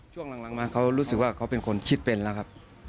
ช่วงหลังมาเขารู้สึกว่าเขาเป็นคนคิดเป็นแล้วครับ